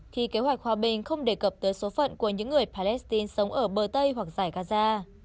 khi kế hoạch hòa bình không đề cập tới số phận của những người palestine sống ở bờ tây hoặc giải gaza